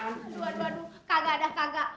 aduh kagak ada kagak